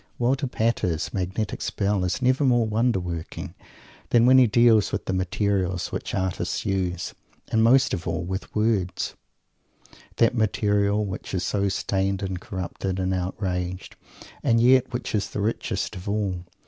Walter Pater's magnetic spell is never more wonder working than when he deals with the materials which artists use. And most of all, with words, that material which is so stained and corrupted and outraged and yet which is the richest of all.